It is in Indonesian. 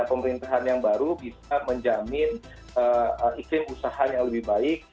pemerintahan yang baru bisa menjamin iklim usaha yang lebih baik